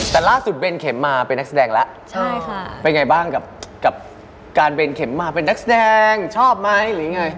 แต่ล่าสุดเบนเข็มมาเป็นนักแสดงแล้วเป็นไงบ้างกับการเบนเข็มมาเป็นนักแสดงชอบไหมหรือยังไง